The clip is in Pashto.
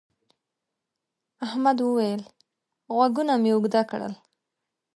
احمد وويل: غوږونه مې اوږده کړل.